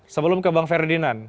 sebelum ke bang ferdinand